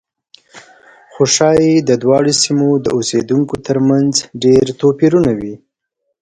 خو ښایي د دواړو سیمو د اوسېدونکو ترمنځ ډېر توپیرونه وي.